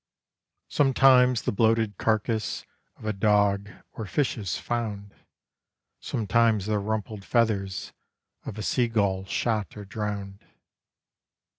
Sometimes the bloated carcase of a dog or fish is found, Sometimes the rumpled feathers of a sea gull shot or drowned.